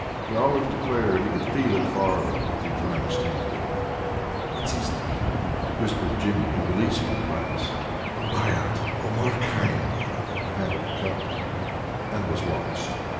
He always declared he could feel it farther if he drank standing. "What's his name?" whispered Jimmy, releasing the glass. "Rubaiyat, Omar Khayyam," panted the Captain, and was lost.